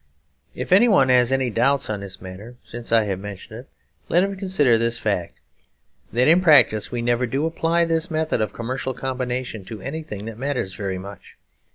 If any one has any doubts on this matter, since I have mentioned it, let him consider this fact: that in practice we never do apply this method of commercial combination to anything that matters very much.